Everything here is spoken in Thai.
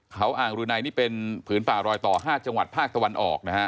เขาอ่างรืนัยนี่เป็นผืนป่ารอยต่อ๕จังหวัดภาคตะวันออกนะฮะ